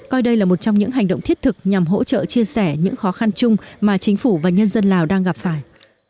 coi đây là một trong những hành động thiết thực nhằm hỗ trợ chia sẻ những khó khăn chung mà chính phủ và nhân dân lào đang gặp phải